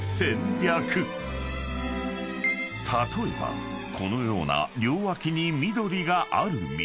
［例えばこのような両脇に緑がある道］